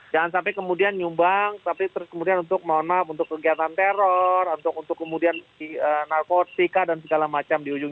jangan sampai kemudian nyumbang tapi terus kemudian untuk mohon maaf untuk kegiatan teror untuk kemudian narkotika dan segala macam di ujung